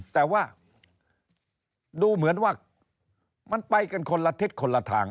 แต่ว่าดูเหมือนว่ามันไปกันคนละทิศคนละทาง